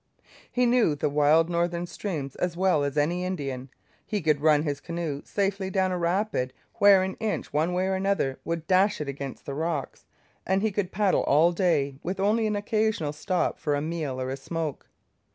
He knew the wild northern streams as well as any Indian; he could run his canoe safely down a rapid where an inch one way or the other would dash it against the rocks; and he could paddle all day with only an occasional stop for a meal or a smoke.